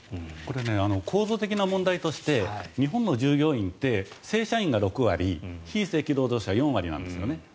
構造的な問題として日本の従業員って正社員が６割非正規労働者は４割なんですね。